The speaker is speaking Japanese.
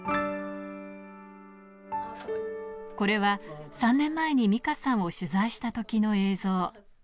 これは３年前にミカさんを取材したときの映像。